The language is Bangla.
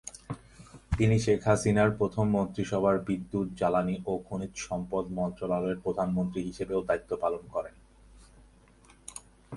তিনি শেখ হাসিনার প্রথম মন্ত্রিসভার বিদ্যুৎ, জ্বালানি ও খনিজ সম্পদ মন্ত্রণালয়ের প্রতিমন্ত্রী হিসেবেও দায়িত্ব পালন করেন।